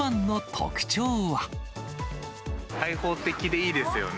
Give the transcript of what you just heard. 開放的でいいですよね。